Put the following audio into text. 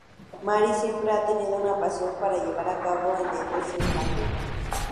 Mary siempre ha tenido una pasión para llevar a cabo en la industria infantil.